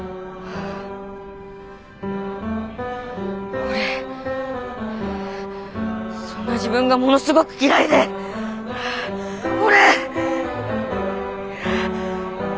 俺そんな自分がものすごく嫌いで俺！